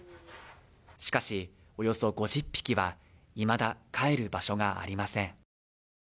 しかし、およそ５０匹はいまだ帰る場所がありません。